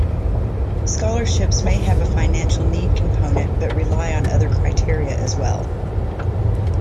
Scholarships may have a financial need component but rely on other criteria as well.